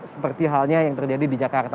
seperti halnya yang terjadi di jakarta